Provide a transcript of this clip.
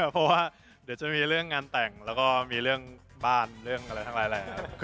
เพราะว่าเดี๋ยวจะมีเรื่องงานแต่งแล้วก็มีเรื่องบ้านเรื่องอะไรทั้งหลายแหละครับ